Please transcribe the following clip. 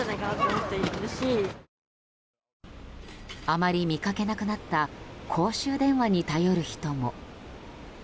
あまり見かけなくなった公衆電話に頼る人も。